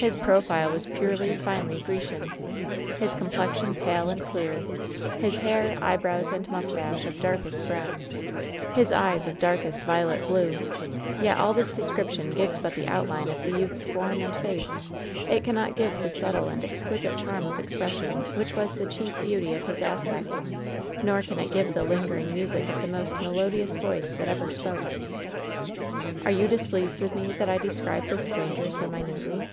His profile was purely, finely Grecian. His com plexion pale and clear, his hair, eyebrows and mustache of darkest brown ; his eyes of darkest violet blue. Yet all this description gives but the outline of the youth's form and face — it cannot give the subtle and exquisite charm of expression which was the chief beauty of his aspect, nor can it give the lingering music of ihe most melodious voice that ever spoke. "Are you displeased with me, that I describe this stranger so minutely